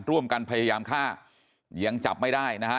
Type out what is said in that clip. ร่วมกันพยายามฆ่ายังจับไม่ได้นะฮะ